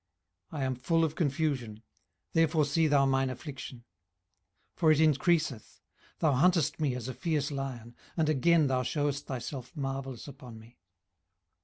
I am full of confusion; therefore see thou mine affliction; 18:010:016 For it increaseth. Thou huntest me as a fierce lion: and again thou shewest thyself marvellous upon me.